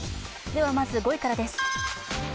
まず５位からです。